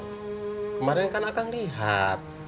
kemarin kan kakak lihat